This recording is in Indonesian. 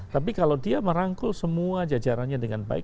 tapi kalau dia merangkul semua jajarannya dengan baik